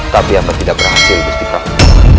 tapi amba tidak berhasil gusti prabu